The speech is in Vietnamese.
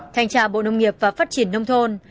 thanh tra bộ nông nghiệp và phát triển nông thôn